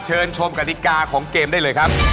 เชิญชมกฎิกาของเกมได้เลยครับ